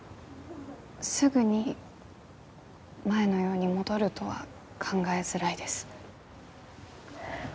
すぐに前のように戻るとは考えづらいです。